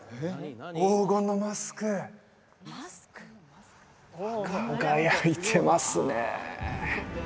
黄金のマスク輝いてますね